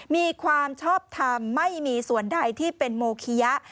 มีความชอบทำไม่มีส่วนใดที่เป็นโมคิยะ